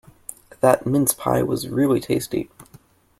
That mince pie was really tasty.